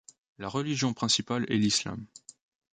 La religion principale est l'islam.